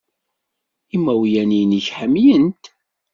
Imawlan-nnek ḥemmlen-t.